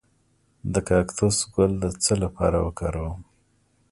د کاکتوس ګل د څه لپاره وکاروم؟